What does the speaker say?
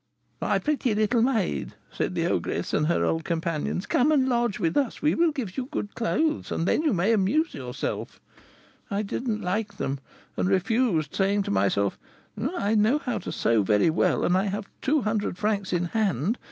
"'My pretty little maid,' said the ogress and her old companions, 'come and lodge with us; we will give you good clothes, and then you may amuse yourself.' I didn't like them, and refused, saying to myself, 'I know how to sew very well, and I have two hundred francs in hand.